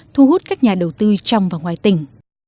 thu hút các nhà đầu tư trong và ngoài tỉnh